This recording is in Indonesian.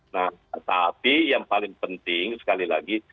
nah tapi yang paling penting sekali lagi